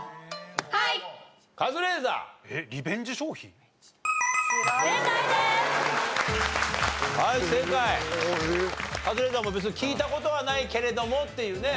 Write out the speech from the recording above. カズレーザーも別に聞いた事はないけれどもっていうね。